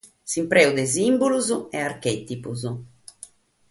S’impreu de sìmbulos e archètipos